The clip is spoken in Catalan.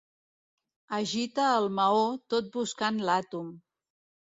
Agita el maó tot buscant l'àtom.